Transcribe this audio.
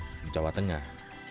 purworejo jawa tengah